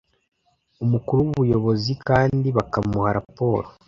umukuru w ubuyobozi kandi bakamuha raporo